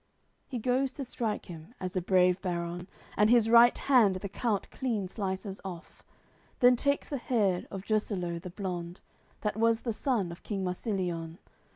He goes to strike him, as a brave baron, And his right hand the count clean slices off; Then takes the head of Jursaleu the blond; That was the son of king Marsilion.